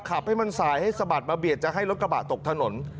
ขับให้มันสายให้สะบัดมาเบียดจะให้รถกระบะตกถนน